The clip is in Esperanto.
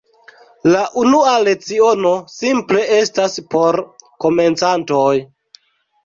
La unua leciono simple estas por komencantoj.